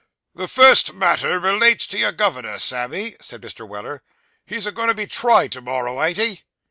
'The first matter relates to your governor, Sammy,' said Mr. Weller. 'He's a goin' to be tried to morrow, ain't he?